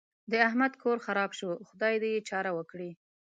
احمد کور خراپ شو؛ خدای دې يې چاره وکړي.